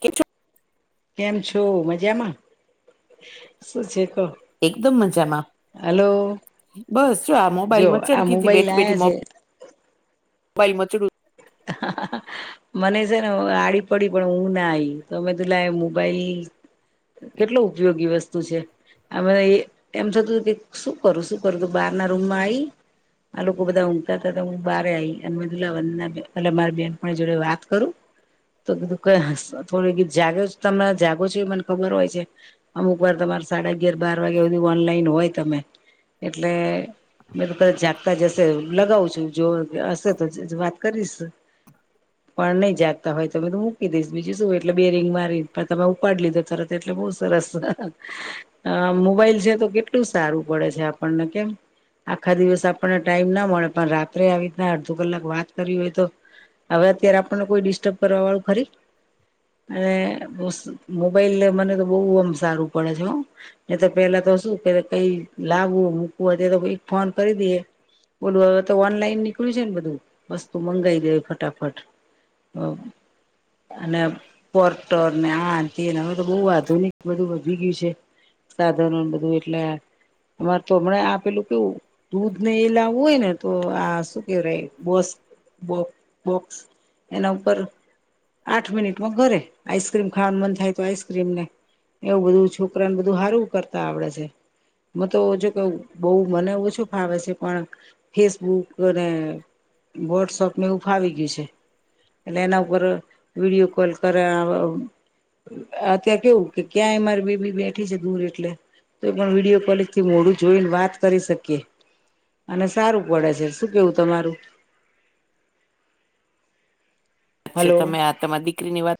કેમ છો? કેમ છો મજામાં શું છે કો? એકદમ મજામાં, બસ જો આ જો મોબાઈલમાં આ મચેડતી હતી મોબાઈલ બેઠી બેઠી મો આયા બાઇલ મચડું. હા હા હા. મને છે ને આડી પડી પણ ઊંઘ ના આયી તોમે કીધું લાય મોબાઈલ કેટલો ઉપયોગી વસ્તુ છે. હવે એ એમ થતું કે શું કરું શું કરું તો બહારના રૂમમાં આયી, આ લોકો બધા ઊંઘતા હતા તો હું બારે આયી અને બધું લાવાનું એટલે મારી બેન પણ જોડે વાત કરું. તો કીધું કઇ હશ થોડી જાગે તમેં જાગો છો તો એ મને ખબર હોય છે. અમુક વાર તમારે સાડા અગિયાર બાર વાગે હુંધી ઓનલાઈન હોય તમે એટલે મેં તો કા જાગતા જ હશે લગાવું છું જો હશે તો વાત કરીશ. પણ નહીં જાગતા હોય તમે તો મૂકી દઈશ બીજું શું એટલે બે રિંગ મારી પણ તમે ઉપાડ લીધો તરત એટલે બહુ સરસ. અ મોબાઈલ છે તો કેટલું સારું પડે છે આપણને કેમ. આખા દિવસ આપણને ટાઈમ ના મળે પણ રાત્રે આવી રીતના અડધો કલાક વાત કરવી હોય તો, હવે અત્યારે આપણને કોઈ ડિસ્ટર્બ કરવા વાળું ખરી? અને ઓશ મોબાઈલ મને તો બહુ આમ સારું પડે છે હો. ને તો પેલા તો શું કર કઈ લાવવું મૂકવું હોય તે તો [unintelligible] ફોન કરી દેએ. ઓલુ હવે ઓનલાઈન નીકળ્યું છે ને બધું વસ્તુ મંગાઈ લેએ ફટાફટ, અ અને પોર્ટર ને આન તેને હવે બહુ આધુનિક બધું વધી ગયું છે. સાધનો બધું એટલે અમારે તો હમને આપેલું કેવું? દૂધ ને એ લાવવું હોય ને તો આ શું કે રે બસ બો બોક્સ એના ઉપર આઠ મિનિટ માં ઘરે, આઈસક્રીમ ખાવાનું મન થાય તો આઈસક્રીમને, એવું બધું છોકરાને બધું હારું કરતા આવડે છે. મે તો જો કે બહુ મને ઓછું ફાવે પણ ફેસબુક અને વોટ્સઅપ ને એવું ફાવી ગયું છે એટલે એના ઉપર વિડીયો કોલ કરે. અ ત્યાં કેવું કે ક્યાંય મારી બેબી બેઠી છે દૂર એટલે. તો પણ વિડીયો કોલિંગથી મોડું જોઈને વાત કરી શકીએ. અને સારું પડે છે, શું કેવું તમારું? છે હલો તમે આ તમા દીકરીની વાત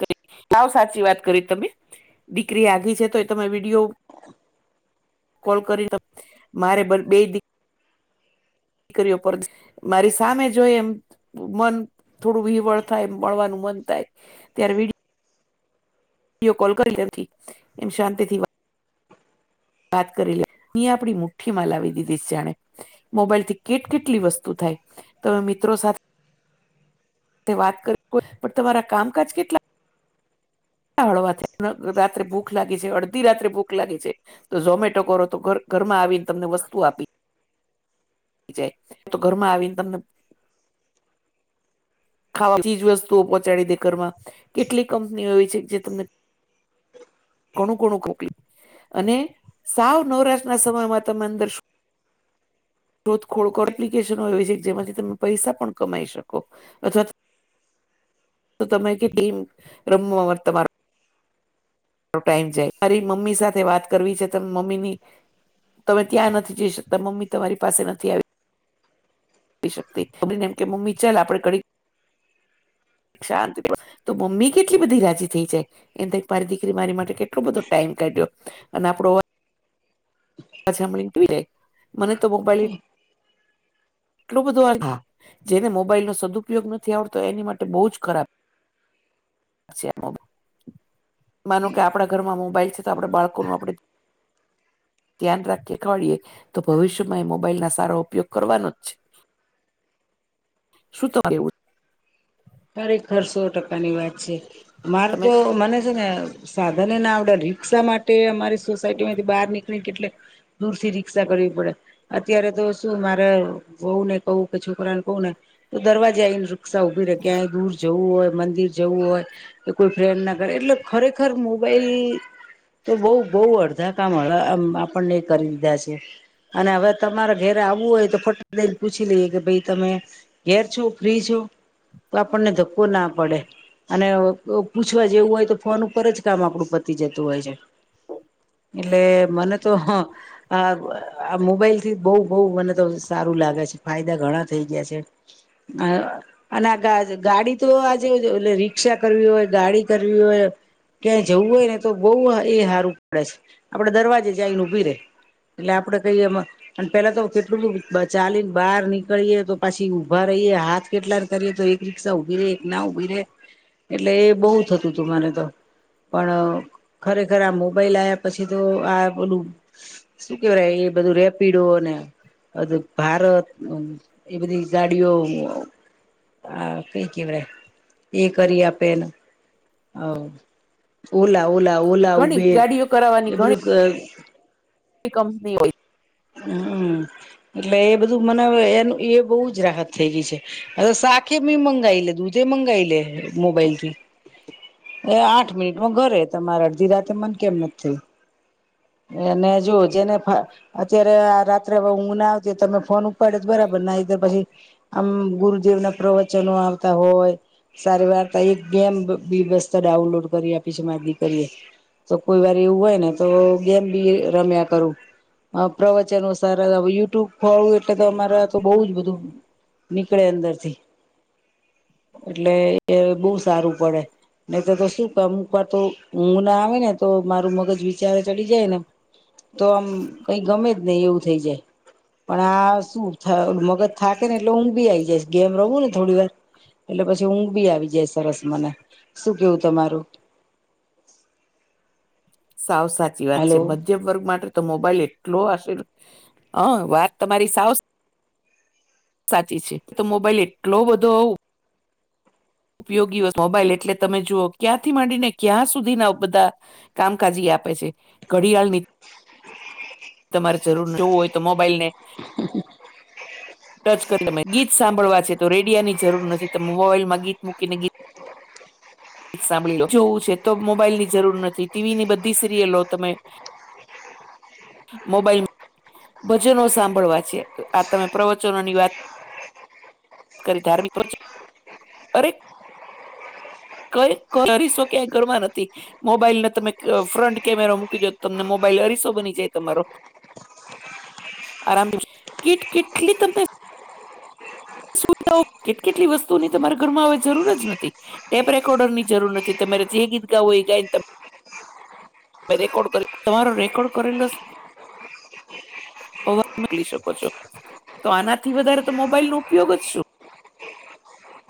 કરી, સાવ સાચી વાત કરી તમે, દીકરી આઘી છે તો એ તમે વિડીયો કોલ કરી ત, મારે બ બેય દી [unintelligible] મારી સામે જોઈ એમ મન થોડું વિવળ થાય મળવાનું મન થાય, ત્યારે વિડિ્ યો કોલ કરી લેતી. એમ શાંતિથી વા વાત કરી લે. અહીં આપડી મુઠ્ઠી માં લાવી દીધીશ જાણે. મોબાઈલ થી કેટ કેટલી વસ્તુ થાય, તમે મિત્રો સાથે વાત કર પણ તમારા કામકાજ કેટલા હળવા થાય? રાત્રે ભૂખ લાગી છે, અડધી રાત્રે ભૂખ લાગી છે. તો ઝોમેટો કરો તો ઘર ઘરમાં આવીને વસ્તુ આપી જાય. તો ઘરમાં આવીને તમને ખાવા ચીજ વસ્તુઓ પહોંચાડી દે ઘરમાં. કેટલી કંપનીઓ એવી છે જે તમને ઘણું ઘણું કોકલી્ અને સાવ નવરાશ ના સમયમાં તમે અંદર શું શોધ ખોડ એપ્લિકેશનો એ છે જેમાંથી તમે પૈસા પણ કમાઈ શકો. અથવા તો તમે કે ટીમ રમવા તમાર્ નો ટાઈમ જાય. મારી મમ્મી સાથે વાત કરવી છે, તો મમ્મીની તમે ત્યાં નથી જઈ શકતા. મમ્મી તમારી પાસે નથી આવી આવી શકતી બમીને એમ કે મમ્મી ચાલ આપડે ઘડીક શાંતિ [inaudible] તો મમ્મી કેટલી બધી રાજી થઈ જાય! એ મારી દીકરી મારી માટે કેટલો બધો ટાઈમ કાઢ્યો. અને આપડો અવાજ સાંભળીને [inaudible] મને તો મોબાઈલ એટલું બધું જેને મોબાઈલ નો સદઉપયોગ નથી આવડતો, એની માટે બહુ જ ખરાબ છે મોબ્, માનો કે આપડા ઘરમાં મોબાઈલ છે તો આપડે બાળકોનું આપડે ધ્યાન રાખી ખડીએે તો ભવિષ્યમાં એ મોબાઈલ ના સારો ઉપયોગ કરવાનો જ છે! શું [inaudible] કેવું? ખરેખર સો ટકાની વાત છે. મારે તમે તો મને છે ને સાધન એ ના આવડે રીક્ષા માટે અમારી સોસાયટી માંથી બહાર નીકળી કેટલે દૂરથી રિક્ષા કરવી પડે. અત્યારે તો શું મારે બઉ ને કવ કે છોકરા ને કવ ને તો દરવાજા અને વૃક્ષા ઉભી રે ક્યાંય દૂર જવું હોય મંદિર જવું હોય, એ કોઈ ફ્રેન્ડ ના ઘરે એટલે ખરેખર મોબાઈલ ઈ તો બઉ બહ અડધા કામ હ આપણને કરી દીધા છે અને હવે તમારે ઘેર આવવું હોય તો ફટ દઈને પૂછી લઈએ કે ભાઈ તમે ધેર છો ફ્રી છો તો આપણને ધક્કો ના પડે અને પૂછવા જેવું હોય તો ફોન ઉપર જ કામ આપડું પતી જતું હોય છે એટલે મને તો હ આ આ મોબાઈલ થી બહુ બહ મને તો સારું લાગે છે ફાયદા ઘણા થઈ ગયા છે અને આ ગાડી તો આજે ઓલા રી રિક્ષા કરવી હોય ગાડી કરવી હોય ક્યાંય જવું હોયને તો બહુ એ હારુ પડે છે આપને દરવાજે જાયને ઉભી રે એટલે આપડે કઈ એમાં અને પેલા તો કેટલું ચાલીને બહાર નીકળીએ તો પાછી ઊભા રહીએ હાથ કેટલા કરીએ તો રીક્ષા ઉભી રે કે ના ઉભી રહેે એટલે એ બહુ થતું હતું મારે તો પણ ખરેખર આ મોબાઈલ આવ્યા પછી તો આ બધું શું કેવાય એ બધું રેપિડો ને [unintelligible] ભારત એ બધી ગાડીઓ આ કઈ કહેવાય એ કરી આપે ન ઓલા ઓલા ઓલા ઘણી ઉબેર ગાડીઓ એ બધું એ કંપની હોય. હમ એટલે એ બધું મને હવે એનું એ બહુ જ રાહત થઈ ગઈ છે. અ સાખે બી મંગાય લે દૂધ એ મંગાય લે મોબાઈલથી. એ આઠ મિનિટ માં ઘરે તમારે અડધી રાતે મન કેમ ન થઈ. એને જો જેને પા અત્યારે આ રાત્રે હુંગ ના આવતી હોય તો તમે ફોન ઉપર જ બરાબર [unintelligible] પછી, આમ ગુરુદેવ ના પ્રવચનો આવતા હોય, સારી વાર્તા એક ગેમ બી મસ્ત ડાઉનલોડ કરી આપી છે, મારી દીકરીએ તો કોઈ વાર એવું હોય ને તો ગેમ બી રમ્યા કરું અ પ્રવચનો સારા યુટ્યુબ ખોલુ એટલે તો અમારા તો બહુ જ બધું નીકળે અંદરથી એટલે એ બહુ સારું પડે. નહી તો તો શું અમુક વાર તો ઊઘ ના આવે ને તો મારું મગજ વિચારે ચડી જાય ને તો આમ કઈ ગમે જ નહી એવું થઇ જાય. પણ આ શું મગજ થાકે ને એટલે ઊંધ બી આઈ જઈશ ગેમ રમુ ને થોડી વાર એટલે પછી ઊંઘ બી આવી જાય સરસ મને શું કેવું તમારું? સાવ સાચી વાત છે, હલો બધું [unintelligible] વર્ગ માટે તો મોબાઈલ એટલો આ [inaudible] હ વાત તમારી સાવ સાચી છે તો મોબાઈલ એટલો બધો આવું ઉપયોગીઓ મોબાઈલ એટલે તમે જુઓ ક્યાંથી માંડીને ક્યાં સુધી ના બધા કામ કાજી આપે છે ઘડિયાળ ની તમારે જરૂર નઈ, એવું હોય તો મોબાઈલને ટચ કરી તમે ગીત સાંભળવા છે, તો રેડિયા ની જરૂર નથી તમે મોબાઈલમાં ગીત મૂકીને ગી સાંભળી લો જોવું છે તો મોબાઈલ ની જરૂર નથી ટીવી ની બધી સિરિયલો તમે [inaudible] મોબાઈલ ભજનો સાંભળવા છે, આ તમે પ્રવચનો ની વાત કરી ધાર્મિક [unintelligible] કઈ કરી શકે ઘરમાં નથી. મોબાઈલને તમે ફ્રન્ટ કેમેરા મૂકી દો તો તમને મોબાઈલ અરીસો બની જાય તમારો [inaudible] આરામ કીટ કીટ કેટલી [unintelligible] સુવિધાઓ કેટ કેટલી વસ્તુઓની તમારા ઘરમાં હવે જરૂર જ નથી. ટેપ રેકોર્ડરની જરૂર નથી તમારે જે ગીત ગાવું હોય ઈ ગાઈ મે રેકોર્ડ કર્યો તમારો રેકોર્ડ કરેલો આવજ મોકલી શકો છો તો આનાથી વધારે તો મોબાઈલ નો ઉપયોગ જ શું?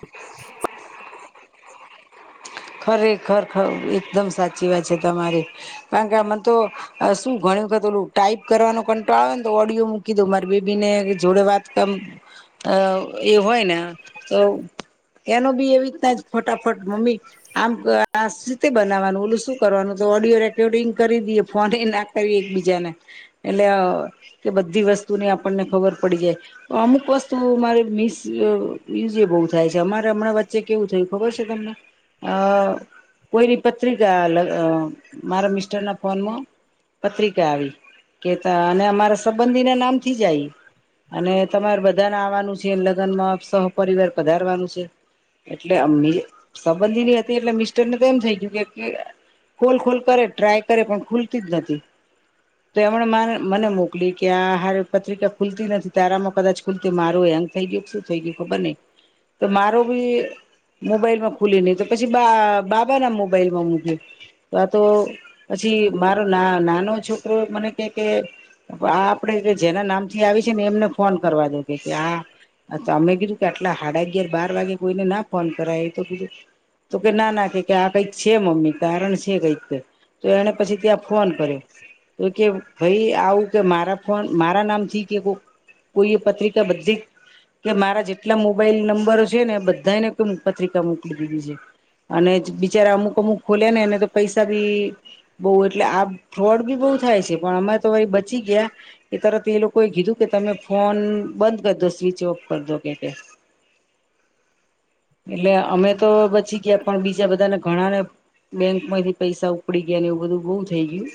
[inaudible] ખરેખર ખ એકદમ સાચી વાત છે તમારી કારણ કે મને તો શું ઘણી વખત ઓલું ટાઈપ કરવાનો કંટાળો આવેને તો ઓડિયો મૂકી દઉ મારી બેબી ને જોડે વાત કા અ એ હોય ને તો એનો બી એવી રીતના જ ફટાફટ મમ્મી આમ આ રીતે બનાવવાનું ઓલું શું કરવાનું તો ઓડિયો રેકોર્ડિંગ કરી દઈએ ફોન એ ના કરીએ એક બીજાને એટલે કે બધી વસ્તુની આપણને ખબર પડી જાય અમુક વસ્તુ મારે મિસ યુઝ એ બહુ થાય છે અમારે હમણાં વચ્ચે કેવું થયું ખબર છે તમને અ કોઈની પત્રિકા મારા મિસ્ટર ના ફોનમાં પત્રિકા આવી કેતા અને અમારા સંબંધીને નામથી જ આઈ અને તમારે બધાને આવવાનું છે લગનમાં સહપિવાર પધારવાનું છે એટલે અમી [unintelligible] હતી એટલે મિસ્ટર તો એમ થઇ ગયું કે ખોલ ખોલ કરે ટ્રાય કરે પણ ખુલતી જ નથી તો એમણે મને મોકલી કે આ હારે પત્રિકા ખુલતી નથી તારામાં કદાચ ખુલતી મા હેંગ ગયું કે શું થઈ ગયું ખબર નઈ તો મારો બી મોબાઈલમાં ખુલી નહી તો પછી બા બાબા ના મોબાઈલમાં મૂક્યું તો આતો પછી મારો ના નાનો છોકરો મને કે કે આ આપડે કે જેના નામ થી આવી છે ને એમને ફોન કરવા દો કે આ અ તો અમે કીધું કે આટલા સાડા અગિયાર બાર વાગે કોઈને ના ફોન કરાયે એ તો કીધું તો કે ના ના કે આ કઈક છે મમ્મી તારણ છે કઈક તો એને પછી ત્યાં ફોન કર્યો તો કે ભાઈ આવું કે મારા ફોન મારા નામથી કે કોઈ એ પત્રિકા બધી કે મારા જેટલા મોબાઈલ નંબરો છે ને બધાને કોઈ પત્રિકા મોકલી દીધી છે અને બિચારા અમુક અમુક ખોલ્યા ને એને તો પૈસા બી બહુ એટલે આ ફ્રોડ બી બહુ થાય છે પણ અમે તો ભઈ બચી ગયા એ તરત એ લોકોએ કીધું કે તમે ફોન બંધ કરી દો સ્વિચ ઓફ કરી દો કે એટલે અમે તો બચી ગયા પણ બીજા બધાને ઘણા ને બેંક માંથી પૈસા ઉપડી ગયા ને એવું બધું બઉ થઈ ગયું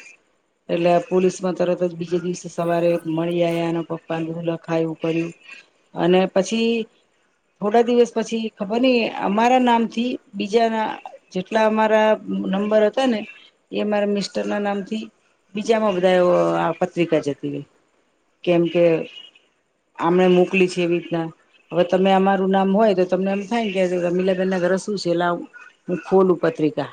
એટલે પોલીસમાં તરત જ જે દિવસે સવારે મળી આવ્યા અને પપ્પા ને બધું લખાયું અને પછી થોડા દિવસ પછી ખબર નઈ અમારે નામ થી બીજા ના જેટલા અમારા નંબર હતા ને એ મારા મિસ્ટર ના નામથી બીજામાં બધા આ પત્રિકા જતી રહી કેમ કે આપણે મોકલી છે એવી રીતના હવે તમે અમારું નામ હોય તો તમને એમ થાય ને કે રમીલા [unintelligible] ઘર શું છે લાવ હું ખોલું પત્રિકા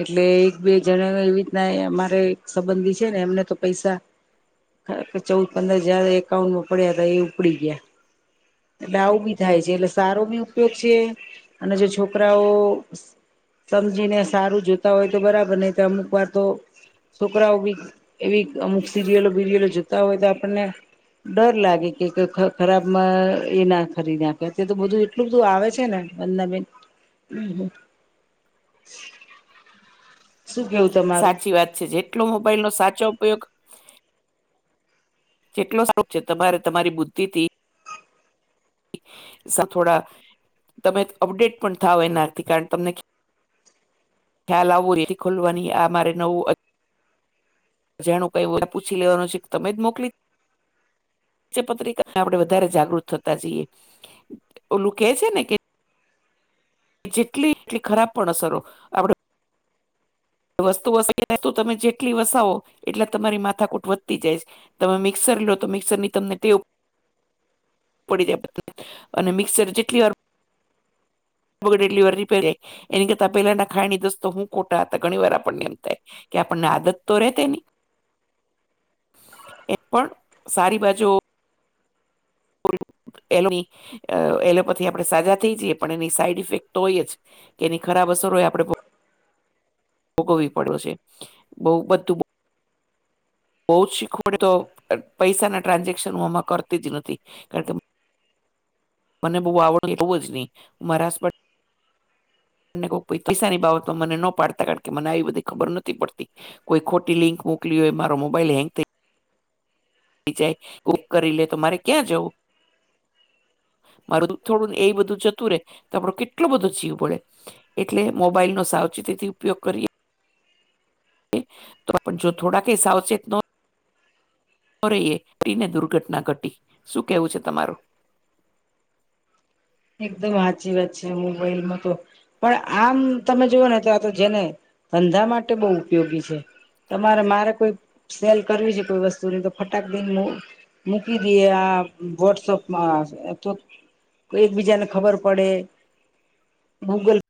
એટલે એક બે જણા એવી રીતના અમારે સંબંધી છે ને એમને તો પૈસા ચૌદ પંદર હજાર એકાઉન્ટમાં પડ્યા હતા એ ઉપડી ગયા એટલે આવો બી થાય છે એટલે સારો બી ઉપયોગ છે અને જો છોકરાઓ સમજીને સારું જોતા હોય તો બરાબર નહી તો અમુક વાર તો છોકરાઓ બી એવી અમુક સિરિયલો બીરિયલો જોતા હોય તો આપણને ડર લાગે કે ખરાબમાં એ ના ખરી નાખે અત તો બધું એટલું બધું આવે છે ને અંજનાબેન [inaudible] તમારું સાચી વાત છે જેટલો મોબાઈલનો સાચો ઉપયોગ જેટલો સારું છે તમારે તમારી બુદ્ધિ થી થોડા તમે અપડેટ પણ થાવ એનાથી કારણ તમને ખ્યાલ આવવું એ ખોલવાની આ મારે નવું જેનું કઈ પૂછી લેવાનું છે કે તમે જ મોકલી પત્રિકા આપડે વધારે જાગૃત થતા જઈએ ઓલું કે છે ને કે જેટલી એટલી ખરાબ પણ અસરો આપડે વસ્તુ વસે તો તમે જેટલી વસાવો એટલે તમારી માથાકૂટ વધતી જાય છે. તમે મિક્સર લો તો મિક્સર ની તમને ટેવ પડી જાય [inaudible] અને મિક્સર જેટલીવાર બગડે એટલી વાર રિપેર એની કરતા પેલાના ખાની દસ્તો હું ખોટા હતા ઘણી વાર આપણને એમ થાય કે આપણને આદત તો રહેે તેની [inaudible] એ પણ સારી બાજુ [inaudible] એમની એલોપેથી આપડે સાજા થઈ જઈએ પણ એની સાઈડ ઇફેક્ટ તો હોય જ કે એની ખરાબ અસરો હોય આપડે ભોગવવી પડ્યો છે બોવ બધું બોવ જ શીખવડે તો પૈસા ના ટ્રાન્ઝેક્શન હું આમાં કરતી જ નથી કારણકે મને બહુ આવડ [inaudible] જ નહી મારા હસબન્ડ મને પૈસાની બાબત મને ન પાડતા કારણ કે મને આવી બધી ખબર નથી પડતી કોઈ ખોટી લિંક મોકલી હોય મારો મોબાઈલ હેન્ંગ થઈ જાય કુક કરી લે તો મારે ક્યાં જવું મારું થોડુંને એ બધું જતું રે તો આપણો કેટલો બધો જીવ બળે એટલે મોબાઈલનો સાવચેતીથી ઉપયોગ કરીએ. તો પણ જો થોડા કે સાવચેત નો રહીએ દુર્ઘટના ઘટી શું કેવું છે તમારું એકદમ સાચી વાત છે મોબાઈલમાં તો પણ આમ તમે જોઓ ને તો આ તો જેને ધંધા માટે બહુ ઉપયોગી છે. તમારે મારે કોઈ સેલ કરવી છે કોઈ વસ્તુની તો ફટાક દય હું મૂકી દઈએ આ વોટ્સઅપમાં તો કોઈ એકબીજા ને ખબર પડે ગૂગલ